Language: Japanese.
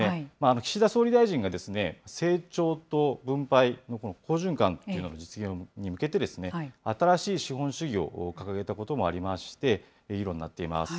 岸田総理大臣が成長と分配の好循環という、実現に向けて、新しい資本主義を掲げたこともありまして、議論になっています。